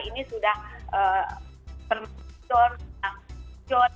ini sudah permainan john